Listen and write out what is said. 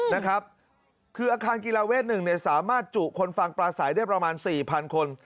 นะครับคืออาคารกีฬาเวท๑เนี่ยสามารถจุคนฟังปลาสายได้ประมาณสี่พันคน